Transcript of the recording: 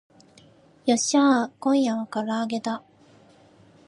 よっしゃー今夜は唐揚げだ